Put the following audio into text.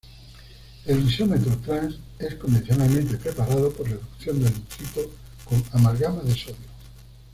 El isómero trans es convencionalmente preparado por reducción del nitrito con amalgama de sodio.